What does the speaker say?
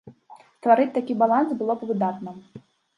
Стварыць такі баланс было б выдатна.